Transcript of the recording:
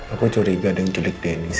aku curiga dan julik dennis